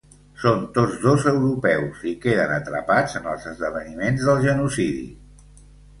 Són tots dos europeus, i queden atrapats en els esdeveniments del genocidi.